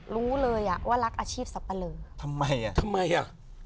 รู้เลยอ่ะว่ารักอาชีพสับปะเลอทำไมอ่ะทำไมอ่ะ